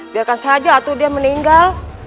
biarkan saja atau dia meninggal